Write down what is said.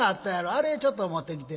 あれちょっと持ってきて」。